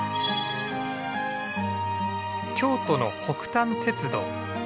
京都の北丹鉄道。